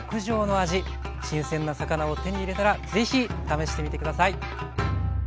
新鮮な魚を手に入れたらぜひ試してみて下さい。